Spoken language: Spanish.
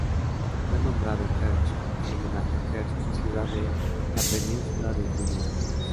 Fue nombrado Kerch en homenaje a Kerch, ciudad de la península de Crimea.